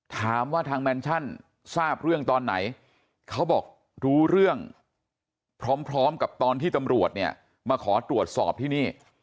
ถามว่าทางแมนชั่นทราบเรื่องตอนไหนเขาบอกรู้เรื่องพร้อมกับตอนที่ตำรวจเนี่ยมาขอตรวจสอบที่นี่